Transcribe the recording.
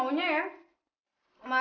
kapan nih pang dibeliin psg yang baru